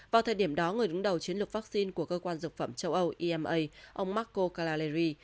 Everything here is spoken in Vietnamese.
vào thời điểm đó người đứng đầu chiến lược vaccine của cơ quan dược phẩm châu âu ima ông marco kalenry